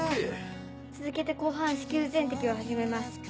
続けて広範子宮全摘を始めます。